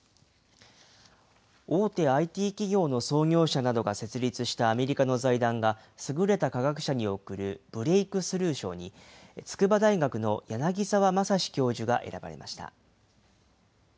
大手ＩＴ企業の創業者などが設立したアメリカの財団が、優れた科学者に贈るブレイクスルー賞に、筑波大学の柳沢正史教授が選ばれました。